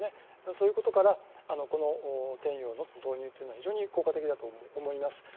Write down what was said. そういうことから「天洋」の導入は非常に効果的だと思います。